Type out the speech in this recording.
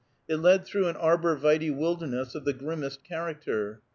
It led through an arbor vitæ wilderness of the grimmest character.